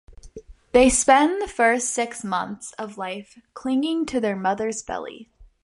They spend the first six months of life clinging to their mother's belly.